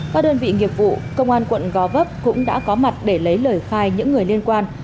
các đơn vị nghiệp vụ công an quận gò vấp cũng đã có mặt để lấy lời khai những người liên quan